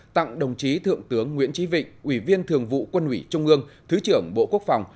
tặng đồng chí thượng tướng nguyễn trí vịnh ủy viên thường vụ quân ủy trung ương thứ trưởng bộ quốc phòng